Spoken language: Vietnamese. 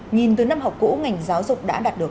nhìn từ năm học cũ ngành giáo dục đã đạt được